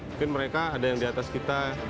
mungkin mereka ada yang di atas kita